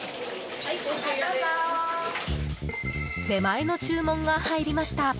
出前の注文が入りました。